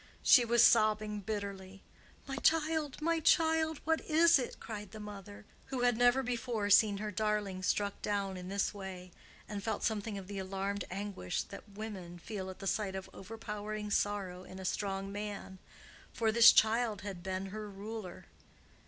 She was sobbing bitterly. "My child, my child, what is it?" cried the mother, who had never before seen her darling struck down in this way, and felt something of the alarmed anguish that women, feel at the sight of overpowering sorrow in a strong man; for this child had been her ruler.